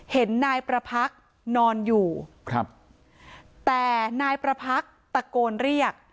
เห็นนายประพักษ์นอนอยู่ครับแต่นายประพักษ์ตะโกนเรียก